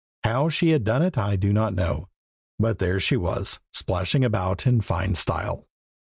How she had done it I do not know, but there she was, splashing about in fine style.